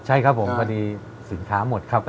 ใช่ครับผมพอดีสินค้าหมดครับ